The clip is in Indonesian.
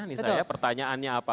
ini saya pertanyaannya apa